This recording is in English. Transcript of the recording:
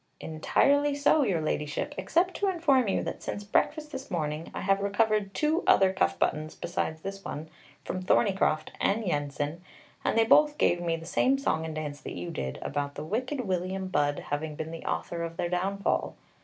"Entirely so, Your Ladyship, except to inform you that since breakfast this morning I have recovered two other cuff buttons beside this one, from Thorneycroft and Yensen, and they both gave me the same song and dance that you did, about the wicked William Budd having been the author of their downfall.